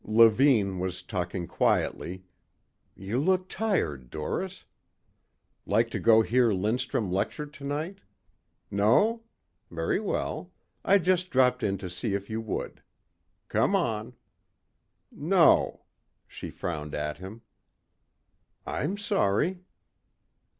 Levine was talking quietly.... "You look tired, Doris. Like to go hear Lindstrum lecture tonight? No? Very well. I just dropped in to see if you would. Come on." "No," she frowned at him. "I'm sorry."